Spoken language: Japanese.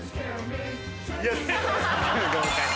合格。